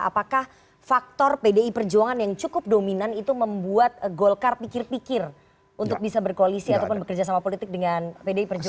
apakah faktor pdi perjuangan yang cukup dominan itu membuat golkar pikir pikir untuk bisa berkoalisi ataupun bekerja sama politik dengan pdi perjuangan